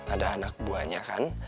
ada anak buahnya kan